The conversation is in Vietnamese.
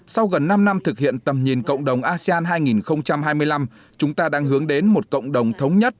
sau gần năm năm thực hiện tầm nhìn cộng đồng asean hai nghìn hai mươi năm chúng ta đang hướng đến một cộng đồng thống nhất